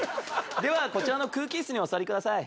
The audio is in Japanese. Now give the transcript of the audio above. ではこちらの空気椅子にお座りください。